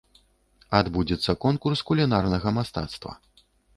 Адбудзецца конкурс кулінарнага мастацтва.